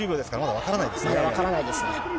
分からないですね。